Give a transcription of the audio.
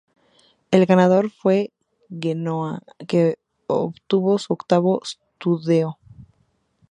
El ganador fue el Genoa, que obtuvo su octavo "scudetto".